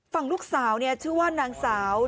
ฝั่งลูกสาวชื่อว่านางสาว